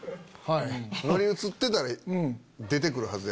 乗り移ってたら出て来るはずやから。